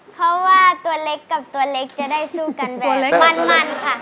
เพราะว่าตัวเล็กกับตัวเล็กจะได้สู้กันแบบมั่นค่ะ